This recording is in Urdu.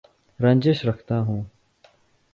رنجش رکھتا ہوں